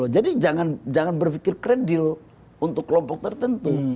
jadi jangan berpikir krendil untuk kelompok tertentu